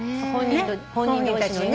本人たちにね。